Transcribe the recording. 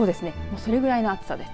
それぐらいの暑さです。